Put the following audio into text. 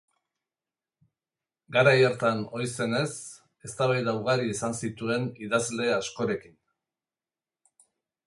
Garai hartan ohi zenez, eztabaida ugari izan zituen idazle askorekin.